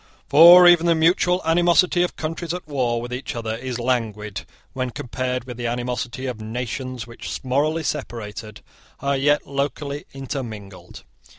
For even the mutual animosity of countries at war with each other is languid when compared with the animosity of nations which, morally separated, are yet locally intermingled.